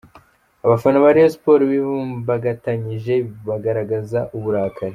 Abafana ba Rayon Sports bivumbagatanyije bagaragaza uburakari.